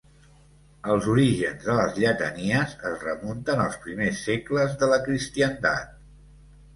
Els orígens de les lletanies es remunten als primers segles de la cristiandat.